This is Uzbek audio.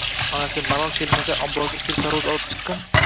Onasi, malol kelmasa, omborga kirib tarvuz olib chiqqin